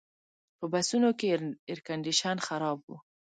په بسونو کې ایرکنډیشن خراب و.